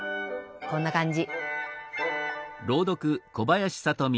こんな感じ。